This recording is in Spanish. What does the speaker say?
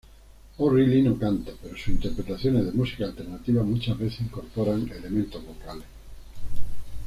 O´Riley no canta, pero sus interpretaciones de música alternativa muchas veces incorporan elementos vocales.